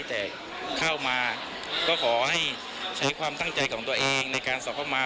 แต่เข้ามาก็ขอให้ใช้ความตั้งใจของตัวเองในการสอบเข้ามา